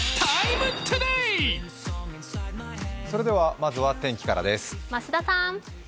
まずは天気からです。